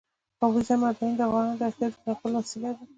اوبزین معدنونه د افغانانو د اړتیاوو د پوره کولو وسیله ده.